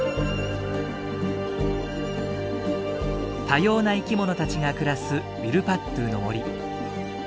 多様な生きものたちが暮らすウィルパットゥの森。